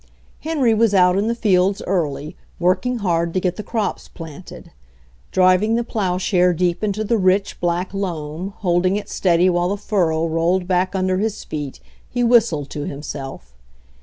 Henry was out in the fields early, working hard to get the crops planted. Driving the plow share deep into the rich, black loam, holding it steady while the furrow rolled back under his feet, he whistled to himself.